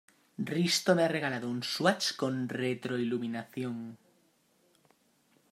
Risto me ha regalado un Swatch con retroiluminación.